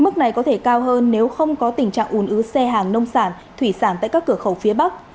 mức này có thể cao hơn nếu không có tình trạng ủn ứ xe hàng nông sản thủy sản tại các cửa khẩu phía bắc